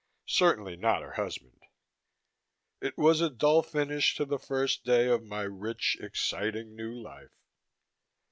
Certainly not her husband. It was a dull finish to the first full day of my rich, exciting new life....